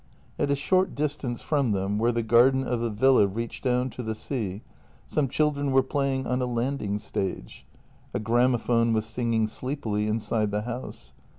At a short distance from them, where the garden of a villa reached down to the sea, some children were playing on a landing stage; a gramophone was singing sleepily inside the house.